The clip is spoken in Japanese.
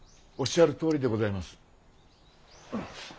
おっしゃるとおりでございます。